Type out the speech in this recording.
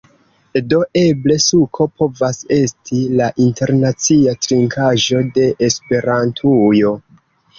Do, eble suko povas esti la internacia trinkaĵo de Esperantujo